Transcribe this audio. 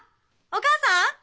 お母さん！